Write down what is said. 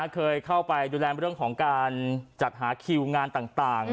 เคยเข้าไปดูแลเรื่องของการจัดหาคิวงานต่าง